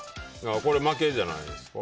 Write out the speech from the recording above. これ、負けじゃないですか？